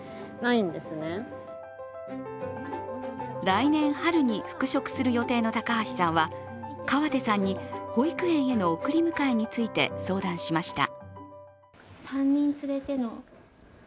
来年春に復職する予定の高橋さんは川手さんに保育園への送り迎えについて相談しました。